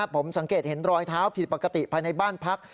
ผมสังเกตเห็นรอยเท้าผิดปกติภายในบ้านพัก